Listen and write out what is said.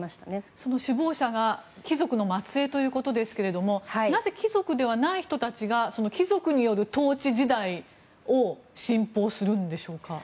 その首謀者が貴族の末裔ということですがなぜ貴族ではない人たちが貴族による統治時代を信奉するんでしょうか。